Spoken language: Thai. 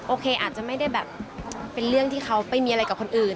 โอเคอาจจะไม่ได้แบบเป็นเรื่องที่เขาไปมีอะไรกับคนอื่น